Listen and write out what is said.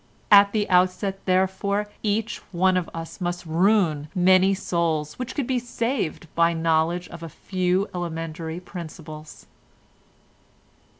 At the outset, therefore, each one of us must ruin many souls which could be saved by knowledge of a few elementary principles."